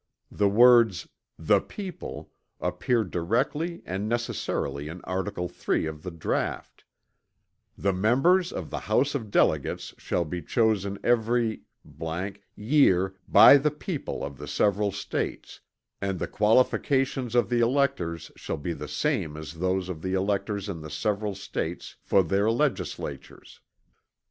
The words "the people" appear directly and necessarily in article 3 of the draught: "The Members of the House of Delegates shall be chosen every year by the people of the several States; and the qualifications of the electors shall be the same as those of the electors in the several States for their Legislatures."